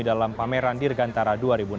dalam pameran dirgantara dua ribu enam belas